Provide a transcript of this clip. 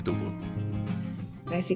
tetapi di daun teh